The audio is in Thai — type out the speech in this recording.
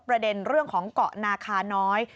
ประเด็นเรื่องของเกาะนาคาน้อย